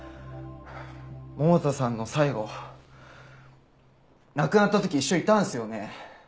百田さんの最期亡くなった時一緒いたんすよね？